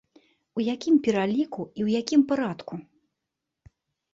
Па якім пераліку і ў якім парадку?